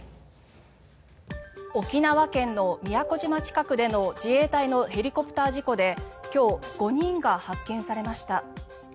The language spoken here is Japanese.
沖縄県の宮古島近くでの自衛隊のヘリコプター事故で今日、５人が発表されました。